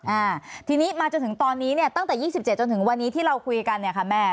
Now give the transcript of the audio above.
อ่าทีนี้มาจนถึงตอนนี้เนี่ยตั้งแต่ยี่สิบเจ็ดจนถึงวันนี้ที่เราคุยกันเนี่ยค่ะแม่